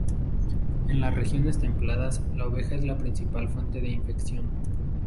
En las regiones templadas, la oveja es la principal fuente de infección.